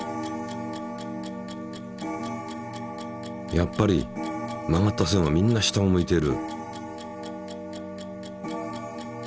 やっぱり曲がった線はみんな下を向いている。